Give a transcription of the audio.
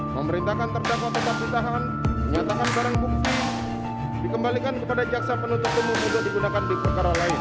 memerintahkan terdakwa tetap ditahan menyatakan barang bukti dikembalikan kepada jaksa penuntut umum untuk digunakan di perkara lain